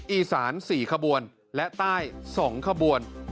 อีสาน๔ขบวนและใต้๒ขบวน